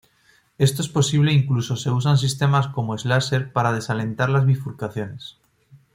Esto es posible incluso se usan sistemas como Slasher para desalentar las bifurcaciones.